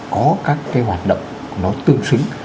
có các cái hoạt động nó tương xứng